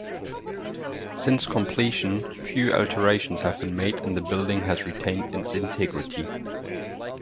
Since completion, few alterations have been made and the building has retained its integrity.